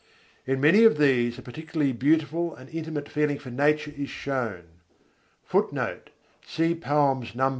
In many of these a particularly beautiful and intimate feeling for Nature is shown. [Footnote: Nos.